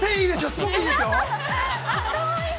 すごくいいですよー。